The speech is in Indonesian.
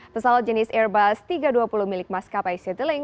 pesawat jenis airbus tiga ratus dua puluh milik maskapai citilink